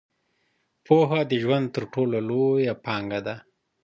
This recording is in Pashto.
پوهه د ژوند تر ټولو لویه پانګه ده.